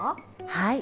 はい。